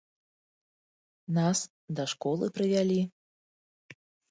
Нас да школы правялі.